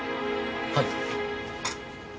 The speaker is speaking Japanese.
はい。